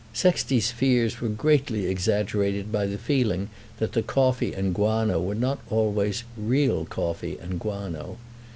Sexty's fears were greatly exaggerated by the feeling that the coffee and guano were not always real coffee and guano.